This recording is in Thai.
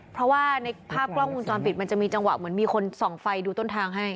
เพราะว่าในภาพกล้องวงจรปิดมันจะมีจังหวะเหมือนมีคนส่องไฟดูต้นทางให้